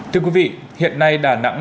thưa quý vị hiện nay đà nẵng